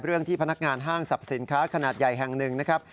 ที่พนักงานห้างสรรพสินค้าขนาดใหญ่แห่งหนึ่งนะครับ